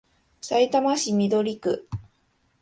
さいたま市緑区